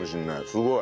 すごい。